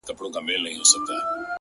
گوره خندا مه كوه مړ به مي كړې.